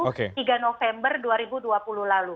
tiga november dua ribu dua puluh lalu